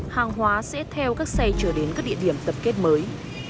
hàng hóa sẽ theo các xe chở đến các địa điểm tập kết mới